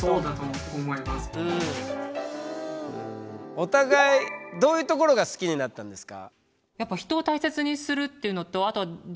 お互いどういうところが好きになったんですか？